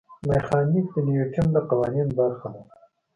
میخانیک د نیوټن د قوانینو برخه ده.